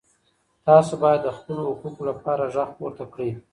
تاسو باید د خپلو حقوقو لپاره غږ پورته کړئ.